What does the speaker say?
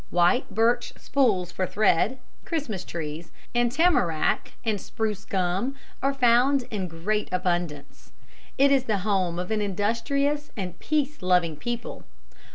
White birch spools for thread, Christmas trees, and tamarack and spruce gum are found in great abundance. It is the home of an industrious and peace loving people.